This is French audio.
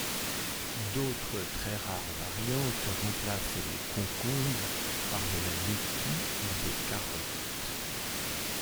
D'autres très rares variantes remplacent les concombres par de la laitue ou des carottes.